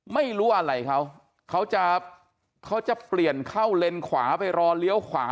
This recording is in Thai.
ไม่รู้อะไรเขาเขาจะเขาจะเปลี่ยนเข้าเลนขวาไปรอเลี้ยวขวา